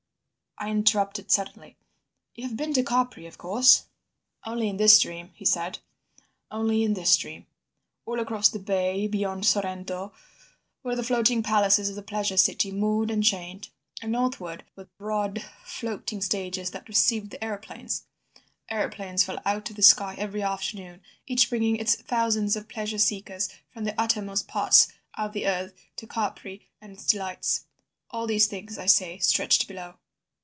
I interrupted suddenly: "You have been to Capri, of course?" "Only in this dream," he said, "only in this dream. All across the bay beyond Sorrento were the floating palaces of the Pleasure City moored and chained. And northward were the broad floating stages that received the aeroplanes. Aeroplanes fell out of the sky every afternoon, each bringing its thousands of pleasure seekers from the uttermost parts of the earth to Capri and its delights. All these things, I say, stretched below.